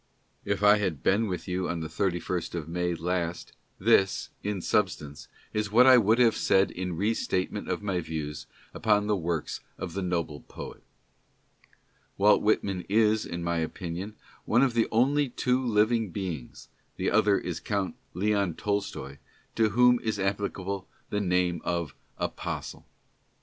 If I had been with you on the 31st of May last, this, in sub stance, is what I would have said in restatement of my views upon the works of the noble poet : Walt Whitman is, in my opinion, one of the only two living beings — the other is Count Leon Tolstoi — to whom is applicable, the name of Apostle.